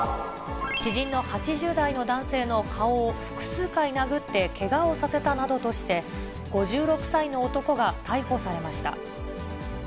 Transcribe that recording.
知人の８０代の男性の顔を複数回殴ってけがをさせたなどとして、５６歳の男が逮捕されました。